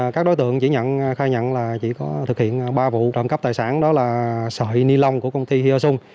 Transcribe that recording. các đối tượng đã khai nhận chỉ có thực hiện ba vụ trộm cắp tài sản đó là sợi nilon của công ty hyosung